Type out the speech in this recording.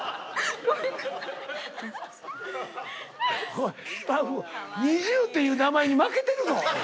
おいスタッフ「ＮｉｚｉＵ」っていう名前に負けてるぞ！